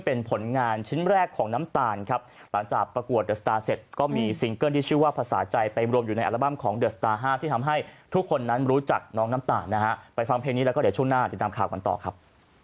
ตอนนี้แล้วก็เดี๋ยวช่วงหน้าติดตามข่าวก่อนต่อครับ